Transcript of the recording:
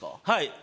はい。